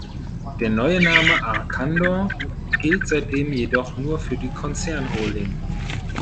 Der neue Name Arcandor gilt seitdem jedoch nur für die Konzern-Holding.